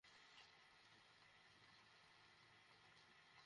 দুটো কার্ড ব্যবহার করতেই পাসওয়ার্ড প্রয়োজন তবে সেখানে থাকা তথ্যগুলো বেশ সংবেদনশীল।